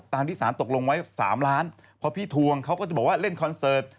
ที่สารตกลงไว้๓ล้านพอพี่ทวงเขาก็จะบอกว่าเล่นคอนเสิร์ต